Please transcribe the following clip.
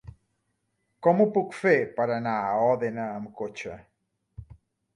Com ho puc fer per anar a Òdena amb cotxe?